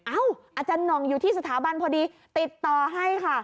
อาจารย์หน่องอยู่ที่สถาบันพอดีติดต่อให้ค่ะ